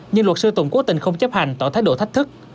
nhưng luật sư tùng cố tình không chấp hành tỏ thái độ thách thức